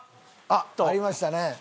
ありましたね